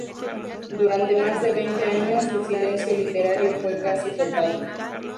Durante más de veinte años su silencio literario fue casi total.